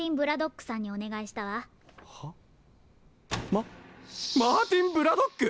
ママーティン・ブラドック！？